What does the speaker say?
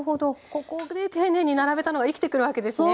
ここで丁寧に並べたのが生きてくるわけですね。